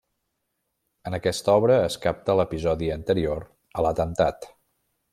En aquesta obra es capta l'episodi anterior a l'atemptat.